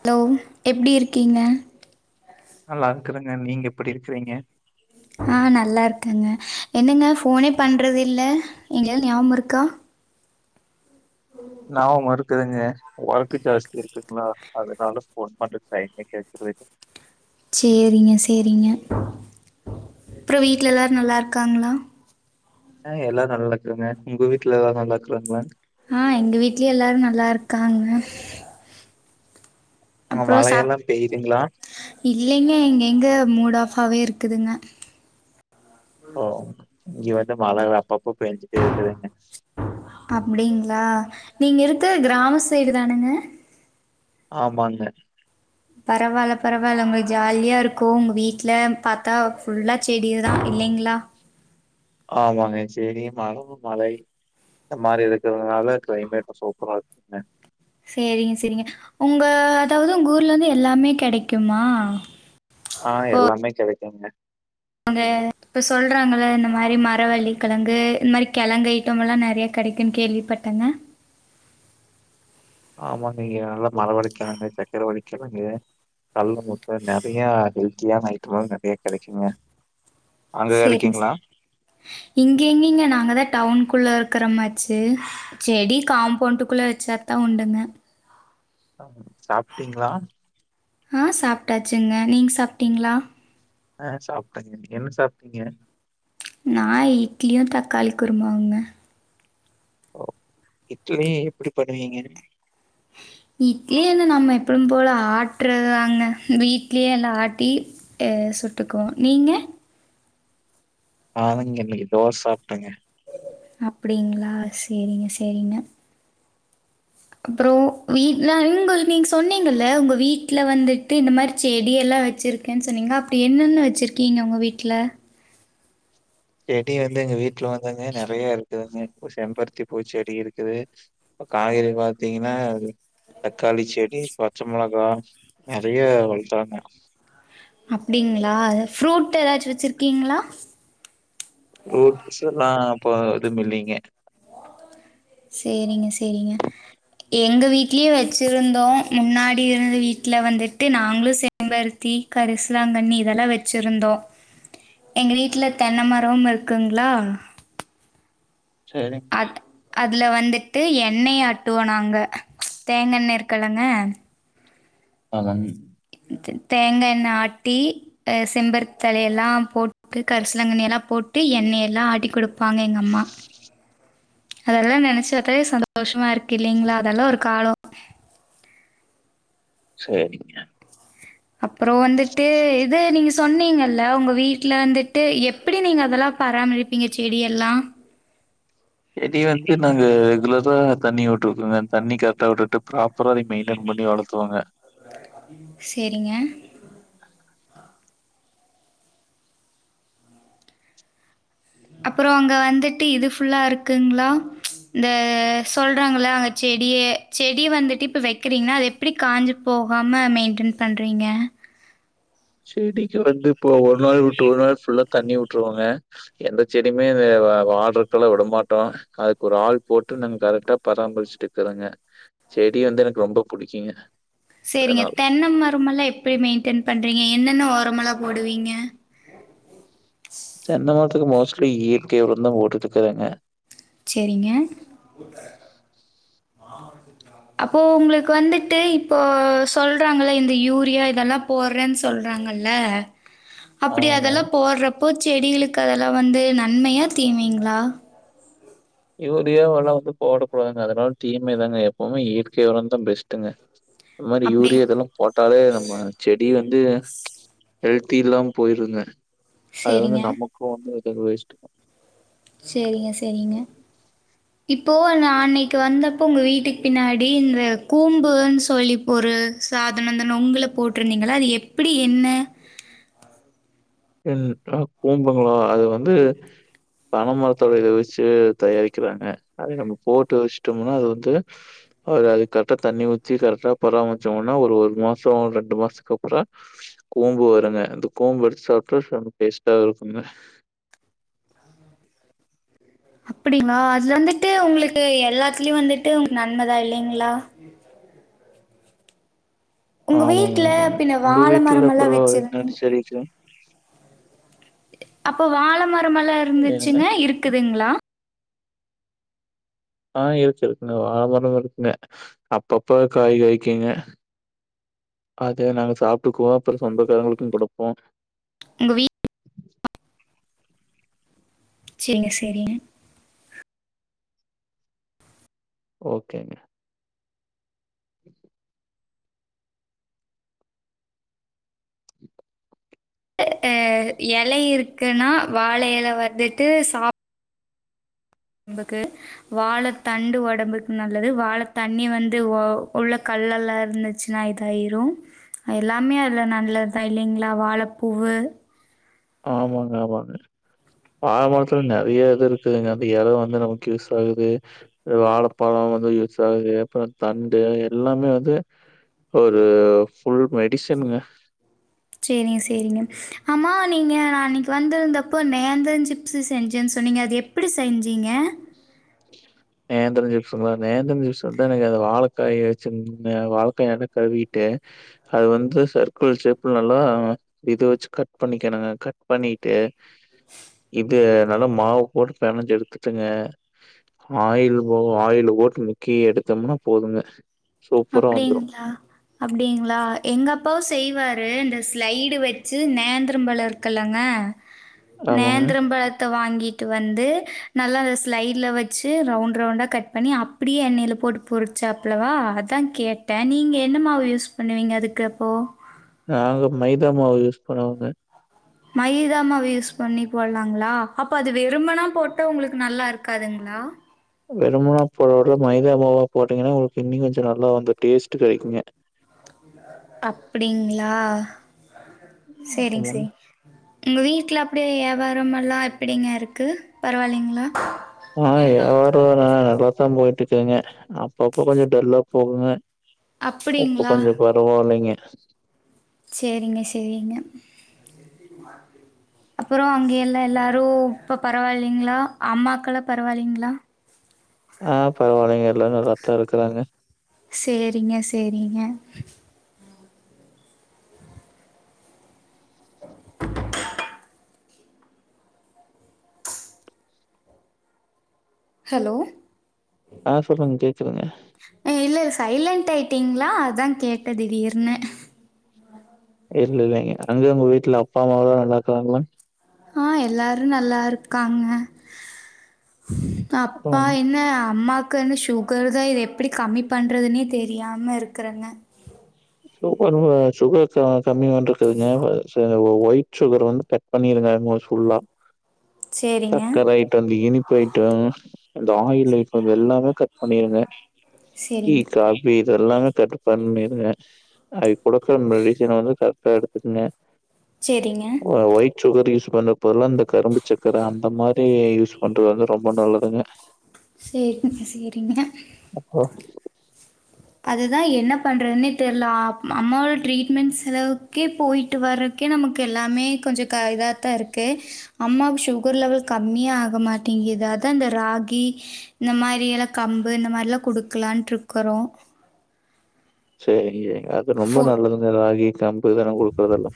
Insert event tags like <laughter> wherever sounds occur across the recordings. Hello எப்டி இருக்கீங்க நல்லா இருக்குறேங்க நீங்க எப்டி இருக்குறீங்க ஆஹ் நல்லா இருக்கேங்க என்னங்க ஃபோனே பண்றது இல்ல எங்கள ஞாபகோ இருக்கா நியாபக வரு இருக்குதுங்க ஒர்க் ஜாஸ்தி இருக்குங்களா அதனால ஃபோன் பன்ற டைமே கெடைக்கறது <inaudible> சேரிங்க சேரிங்க அப்றோ வீட்ல எல்லாரு நல்லா இருக்காங்களா ஆஹ் எல்லாரு நல்லா இருக்குறாங்க நீங்க வீட்ல எல்லா நல்லாருக்காங்களா ஆஹ் எங்க வீட்லயு எல்லாரு நல்லா இருக்காங்க அங்க அப்றோ சாப் மழையெல்லாம் பெய்யுதுங்களா? இல்லைங்க எங்க எங்க மூட் ஆஃபாவே இருக்கு இருக்குதுங்க ஓ இங்க வந்து மழ அப்பப்போ பேஞ்சுட்டே இருக்குதுங்க அப்டிங்களா நீங்க இருக்கர கிராம சைடு தானுங்க ஆமாங்க பரவால்ல பரவால்ல ஒங்க ஜாலியா இருக்கு ஒங்க வீட்ல பாத்தா ஃபுல்லா செடிதா இல்லைங்ளா ஆமாங்க செடி மரமு மழை இந்த மாரி இருக்றதுனால கிளைமேட்டு சூப்பரா இருக்குங்க சேரிங்க சேரிங்க உங்க அதாவது உங்க ஊர்ல இருந்து எல்லாமே கெடைக்குமா ஆஹ் எல்லாமே கெடைக் குங்க அவங்க இப்ப சொல்றாங்கள இந்த மாரி மரவள்ளி கெழங்கு இந்த மாரி கெழங் ஐட்டம் எல்லா நெறையா கெடைக்குன்னு கேள்விப்பட்டேங்க ஆமாங்க இங்க நல்லா மரவள்ளிகெழங்கு சக்கர வள்ளிகெழங்கு கல்ல மூட்ட நெறையா ஹெல்த்தியான ஐட்டெம்லா நெறையா கெடைக்குங்க அங்க செரிங் கெடைக்குங்களா? சார் இங்க எங்கெய்ங்க நாங்கதா டவுன் குள்ள இருக் இருக்குற மாச்சு செடி காம்பௌண்டுக்குள்ள வச்சா தா உண்டுங்க ஆமாங்க சாப்ட்டீங்ளா ஆஹ் சாப்ட்டாச்சுங்க நீங்க சாப்ட்டீங்ளா சாப்ட்டாச்சுங்க என்ன சாப்ட்டீங்க நா இட்லியு தக்காளி குருமாவுங்க ஓ இட்லி வகையே எப்டி பண்ணுவீங்க இட்லி என்ன நம்ப எப்பவு போல ஆட்றதுதானே வீட்லயே எல்லா ஆட்டி சுட்டுக்குவோ நீங்க ஆமாங்க இன்னிக்கு தோஸ் சாப்ட்டேங்க அப்டிங்களா சேரிங்க சேரிங்க அப்றோ வீட்லா உங்கள் நீங்க சொன்னீங்கல்ல உங்க வீட்ல வந்துட்டு இந்த மாரி செடி எல்லா வச்சிருக்கேன்னு சொன்னீங்கள அப்டி என்னென்ன வச்ருக்கீங்க உங்க வீட்ல செடி வந்து எங்க வீட் ல வந்துங்க நெறையா இருக் <unintelligible> பூ செம்பருத்தி பூ செடி இருக்குது இப்ப காய்கறி பாத்தீங்ன்னா தக்காளி செடி பச்ச மொளகா நெஎறையா வளத்தாங்க அப்படிங்களா அதுல ஃப்ரூட் ஏதாச்சு வச்சிருக்கீங்களா ஃப்ரூட்ஸ்லாம் இப்ப எதுவும் இல்லீங்க சேரிங்க சேரிங்க எங்க வீட்லயும் வச்சிருந்தோம் முன்னாடி இருந்த வீட்ல வந்துட்டு நாங்களும் செம்பருத்தி கரிசுலாங்கண்ணி இதெல்லா வச்சிருந்தோம் எங்க வீட்ல தென்னை மரமும் இருக்குங்களா ம் அதுல வந்துட்டு எண்ணெய் ஆட்டுவோம் நாங்க தேங்காண்ண இருக்குலங்க அதாங்க தேங்காண்ண ஆட்டி செம்பருத்தி தழையல்லாம் போட்டு கருசலங்கண்ணிலாம் போட்டு எண்ணெயெல்லாம் ஆட்டி கொடுப்ப பாங்க எங்க அம்மா அதெல்லாம் நெனைச்சு வாத்தாவே சந்தோஷமா இருக்கு இல்லலீங்களா அதெல்லாம் ஒரு காலம் சேரிங்க அப்றம் வந்துட்டு இது நீங்க சொன்னீங்கல்ல உங்க வீட்ல வந்துட்டு எப்படி நீங்க அதெல்லாம் பராமரிப்பீங்க செடி எல்லாம் செடி வந்து நாங்க ரெகுலரா தண்ணி வுட்டுருக்கோங்க தண்ணி கர்ட்டா வுட்டுட்டு ப்ராப்பரா அத மெயின்டைென் பண்ணி வளர்த்துவாங்க செரிங்க அப்புறம் அங்க வந்துட்டு இது ஃபுல்லா இருக்குங்களா இந்த சொல்றாங்கள அங்க செடிய செடி வந்துட்டு இப்ப வெக்கிறீங்கன்னா அது எப்படி காஞ்சு போகாம மெயின்டென் பண்றீங்க செடிக்கு வந்து இப்போ ஒரு நாள் விட்டு ஒரு நாள் ஃபுல்லா தண்ணி உட்ருவோங்க எந்த செடியுமே வாட்டறக்கெல்லாம் விடமாட்டோம் அதுக்கு ஒரு ஆள் போட்டு நாங்க கரெக்டா பராமரிச்சுட்டு இருக்குறோங்க செடி வந்து எனக்கு ரொம்ப புடிக்குங்க செரிங்க அதனால. தென்னம் மரமெல்லாம் எப்டி மெயின்டெயன் பண்றீங்க என்னென்ன ஒரமெல்லா போடுவிங் வீங்க க்கு மோஸ்ட்லி இயற்கை ஒரந்தான் போட்டுட்டுயிருக்கறேங்க செரிங்க அப்போ உங்களுக்கு வந்துட்டு இப்போ சொல்றாங்கல இந்த யூரியா இதெல்லாம் போடுறேன் சொல்றாங்கல்ல அப்படி ஆமாங்க. அதெல்லாம் போட்றப்போ செடிகளுக்கு அதெல்லாம் வந்து நன்மையா தீமைங்களா யூரியாவல்லாம் வந்து போடக்கூடாங்க அதனால தீமைதாங்க எப்பவுமே இயற்கை ஒரந் தான் பெஸ்ட்டுங்க அது மாரி அப்படி யூரியா இதெல்லாம் போட் போட்டாலே நம்ம செடி வந்து ஹெல்த்தி இல்லாம போயிருங்க அது சரிங்க. வந்து நமக்கும் வந்து <unintelligible> செரிங்க செரிங்க தோ நா அன்னைக்கு வந்தப்போ உங்க வீட்டுக்கு பின்னாடி இந்த கூம்புன்னு சொல்லிப் ஒரு சாதனந்தான நொங்குல போட்டிருந்தீங்களா அது எப்படி என்ன எது அஹ் கூம்புங்களா அது வந்து பனைமரத்தோட இத வச்சு தயாரிக்கிறாங்க அது நம்ம போட்டு வச்சுட்டோம்னா அது வந்து அவ அது கரெக்டா தண்ணி ஊத்தி கரெக்டா பராமரிச்சோனா ஒரு ஒரு மாசம் ரெண்டு மாசத்துக்கு அப்புறம் கூம்பு வருங்க அந்த கூம்பு வெடிச்சா <unintelligible> பேஸ்ட்டா இருக்குங்க அப்படிங்ளா அது வந்துட்டு உங்களுக்கு எல்லாத் லயும் வந்துட்டு உங்க நன்மைதா இல்லீங்களா ஆமாங்க வீட்ல ஆமாங்க பின்ன உங்க வாழை வீட்ல மரமெல்லாம் அப்ரோ வச்சிருந்தீங்க. எனனு செரிச்சா அப்போ வாழ மர் கூட்டமெல்லா என்னங்க? இருந்துச்சுங்ளா இருக்குதுங்ளா ஆ இருக்குது இந்த வாழமர இருக்குன்ன அப்பப்ப காய் காய்க்கிங்க அத நாங்க சாப்புட்டுக்குவோ அப்பற சொந்தக்காரங்களுக்கு குடுப்போ உங்க வீட் செரிங் செரிங் ஓகேங்க அ எல இருக்குன்னா வாழ எல வந்துட்டு சாப் ஒடம்புக்கு வாழ தண்டு ஒடம்புக் நல்லது வாழ தண்ணி வந்து உள்ள கல்லெல்லா இருந்துச்சுனா இதாயிரு எல்லாமே அதுல நல்லதுதா இல்லிங்ளா வாழப்பூவு ஆமாங்க ஆமாங்க வாழ மரத்துல நெறய இது இருக்குதுங்க அந்த எல வந்து நமக்கு யூஸ் ஆகுது வாழப்பழொ வந்து யூஸ் ஆகுது அப்பறொ தண்டு எல்லாமே வந்து ஒரு புல் மெடிசன்ங்க சேரிங்க செரிங்க ஆமா நீங்க நா அன்னிக்கி வந்திருந்தப்போ நேந்திரஞ் சிப்ஸு செஞ்சேன் சொன்னிங்க அது எப்டி செஞ்சீங்க நேந்திர சிப்ஸுங்ளா நேந்திரம் சிப்ஸ் வந்து அது வாழக்காய வச்சு மே வாழக்காய நல்ல கழுவிட்டு அது வந்து சர்க்குள் ஷேப்ல நல்லா இது வச்சு கட் பண்ணிக்கணுங்க கட் பண்ணிட்டு இது நல்லா மாவு போட் பெனஞ்சு எடுத்துக்கங்க ஆயில் போவூ ஆயில்ல போட்டு முக்கி எடுத்தோம்னா போதுங்க சூப்பரா வந்துரும். அப்டிங்ளா அப்டிங்ளா எங்கப்பாவு செய்வா து இந்த ஸ்லைடு வச்சு நேந்திரம்பழோ இருக்குல்லங்க ஆமாங்க. நேந்திரம் பழத்த வாங்கி ட்டு வந்து நல்லா அத ஸ்லைடுல வச்சு ரவுண்ட் ரவுண்டா கட் பண்ணி அப்டியே எண்ணெயில போட்டு பொரிச்சாப்லவா அத் கங் கேட்டே நீங்க என்ன மாவு யூஸ் பண்ணுவீங்க அதுக்கு அப்போ நா வந்து மைதா மாவு யூஸ் பண்ணுவேங்க மைதாமாவு யூஸ் பண்ணி போடலாங்களா அப்ப அது வெரும்மன போட்டா உங்களுக்கு நல்லா இருக்காதுங்ளா வெறுமனா போடறதவிட மைதா மாவா போட்டீங்கன்னா உங்களுக்கு இன்னி கொஞ்சோ நல்லா வந்த டேஸ்ட் கெடைக்குங்க அப்டிங்ளா சேரிங்க ஆமாங்க. சேரி உங்க வீட்ல அப்படியே யாபாரமெல்லா எப்படிங்க இருக்கு பரவால்லைங்ளா ஆ யாவாரொலா நல்லா எக்ஸாம் போயிட்டு இருக்கங்க அப்பப்ப கொஞ்சோ டல்லா போகுங்க உப்ப அப்டிங்களா கொஞ்சொ பரவால்லைங்க <inaudible> சேரிங்க சேரிங்க அப்புறோ அங்க எல்லா எல்லாரு இப்ப பரவாயில்லலைங்களா அம்மாக்கெலா பரவாயில்லைங்களா ஆ பரவால்லைங்க எல்லா நல்லாத்தா இருக்கறாங்க சேரிங்க சேரிங்க ஹலோ ஆ சொல்லுங்க கேக்குதுங்க சைலன்ட் ஆயிட்டிங்களா அதா கேட்ட திடீர்னு இல்ல இல்லைங்க அங்க உங்க வீட்டுல அப்பா அம்மாவெல்லா நல்லாருக்காங்களா ஆ எல்லாரு நல்லா இருக்காங்க அப்பா ம். என்ன அம்மாக் கனு சுகர் தா இது எப்டி கம்மி பண்ணுறதுனே தெரியாம இருக்கறேங்க <unintelligible> கம்மி பன்றதுங்க வச ஒயிட் சுகர் வந்து கட் பண்ணிருங்க ஃபுல்லா சேரிங்க சக்கர அயிட்டோ இந்த இனிப்பய்ட்டொ இந்த ஆயில் இப்ப இது எல்லாமே கட் பண்ணிருங்க டீ சேரிங்க காபி இதெல்லாமே கட் பண்ணிருங்க அவிங் குடுக்கற மெடிசன்ன வந்து கரெக்டா எடுத்துக்கங்க சேரிங்க சுகர் யூஸ் பண்றக் பதிலா இந்த கரும்பு சக்கர அந்த மாரி யூஸ் பண்றது வந்து ரொம்ப நல்லதுங்க சேரிங்க சேரிங்க அப்போ அதுதா என்ன பண்றதுன்னே தெர்ல அ அம்மாவோட ட்ரீட்மெண்ட் செலவுக்கே போயிட்டு வர்றக்கே நமக்கு எல்லாமே கொஞ்ச க இதாதா இருக்கு அம்மாவுக்கு சுகர் லெவல் கம்மியே ஆக மாட்டேங்கிது அதா இந்த ராகி இந்த மாரி எல்லா கம்பு இந்த மாரிலா குடுக்கலான்ட்ருக்கறோ செரியி அது ரொம்ப ஃபு நல்லதுங்க ராகி கம் பு இதெல்லா குடுக்கறதெல்லா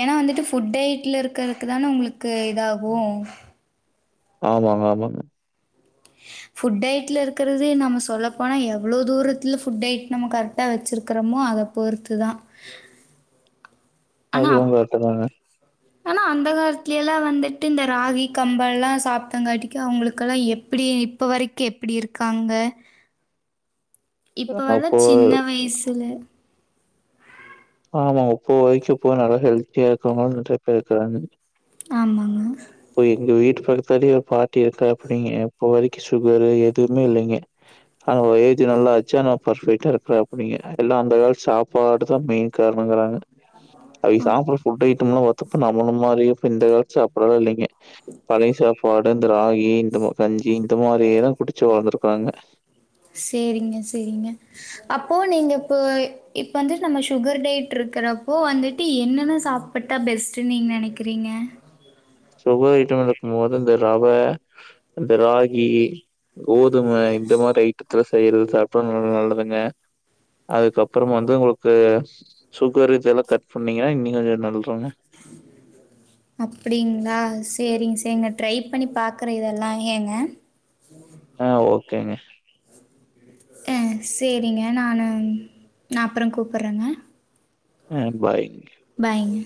ஏனா வந்துட்டு ஃபுட் டயட்ல இருக்கறக்கு தானே உங்குளுக்கு இதாகு ஆமாமா ஆமாங்க ஃபுட் டயட்ல இருக்கறதே நம்ம சொல்லப்போனா எவ்ளோ தூரத்துல ஃபுட் டயட் நம்ம கரெக்டா வெச்சிருக்குறமோ அத பொறுத்துதா அனா அதுவு அப் கரெக்ட்டு தாங்க ஆனா அந்த காலத்லே ல வந்துட்டு இந்த ராகி கம்பல்லா சாப்பிட்டங்காட்டிக்கு அவங்களுக்கெல்லா எப்புடி இப்போ வரைக்கு எப்புடி இருக்காங்க இப்ப வல அப்போ சின்ன வய்சுல ஆமாங்க போ வைக்க போக நல்லா ஹெல்த்தியா இருக்காங்கள நெறை பே இருக்கிறாங்க ஆமாங்க இப்ப எங்க வீட்டு பக்கத்தாலேயே ஒரு பாட்டி இருக்கற அப்படிங்க இப்போ வரைக்கு சுகரு எதுவுமே இல்லைங்க ஆனா ஏஜ் நல்லாச்சு நனா பர்ஃபெக்டா இருக்கிற அப்படிங்க எல்லாம் அந்த கால சாப்பாடுதா மெயின் காரணங்கிறாங்க அவைங்க அப் சாப்புட்ற ஃபுட் ஐட்டம்லா வொர் இப்ப நம்மளு மாறியு இப்ப இந்த காலத்து சாப்டலா இல்லிங் பழை சாப்பாட் இந்த ராகி இந்த கஞ்சி இந்த மாரியேதா குடிச்சு வளர்ந்திருக்காங்க சேரிங்க சேரிங்க அப்போ நீங்க இப்ப இப்ப வந்துட்டு நம்ம சுகர் டயட் இருக்குறப்போ வந்துட்டு என்னென்ன சாப்புட்டா பெஸ்ட்டுன் நீங்க நெனக்கிறீங்க சுகர் ஐட்டம் எடுக்கும்போது இந்த ரவ இந்த ராகி கோதும இந்த மாரி ஐட்டத்துல செய்யிற சாப்ட்டல நல்லதுங்க அதுக்கப்புறோ வந்து உங்களுக்கு சுகர் இதெல்லா கட் பண்ணீங்கன்னா இன்னி நல்றுங்க அப்டிங்களா சேரிங் சேரிங் நா ட்ரை பண்ணி பாக்ற இதல்லா ஏங்க கேங்க அ சேரிங்க நானு நா அப்பற கூப்பற்றங்க அ பாய் பாய்ங்க